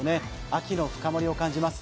秋の深まりを感じます。